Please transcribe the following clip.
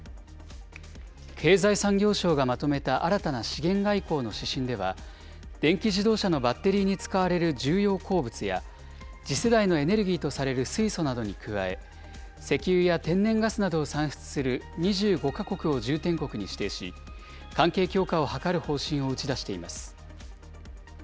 経済産業省がまとめた新たな資源外交の指針では、電気自動車のバッテリーに使われる重要鉱物や、次世代のエネルギーとされる水素などに加え、石油や天然ガスなどを産出する２５か国を重点国に指定し、関係強化を図る方針を打ち出しています。